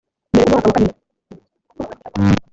mbere umwaka wa kabiri